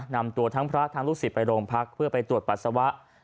นำตัวทั้งพระทั้งลูกศิษย์ไปโรงพักเพื่อไปตรวจปัสสาวะ